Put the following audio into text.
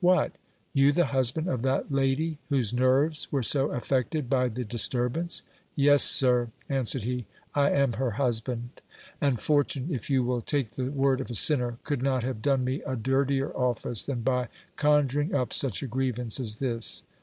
What ! you the husband of that lady whose nerves were so affected by the dis turbance? Yes, sir, answered he, I am her husband; and fortune, if you will take the word of a sinner, could not have done me a dirtier office than by con juring up such a grievance as this.